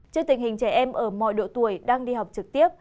trước tình hình trẻ em ở mọi độ tuổi đang đi học trực tiếp